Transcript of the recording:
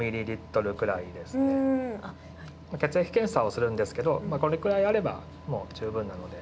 血液検査をするんですけどこれくらいあればもう十分なので。